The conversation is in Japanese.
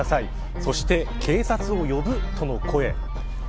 そして、警察を呼ぶとの声。